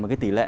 một cái tỷ lệ